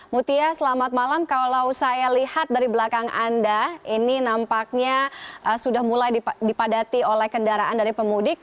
mutia selamat malam kalau saya lihat dari belakang anda ini nampaknya sudah mulai dipadati oleh kendaraan dari pemudik